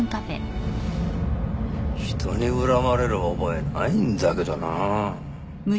人に恨まれる覚えないんだけどなあ。